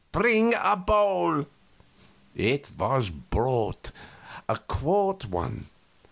Bring a bowl." It was brought a four quart one.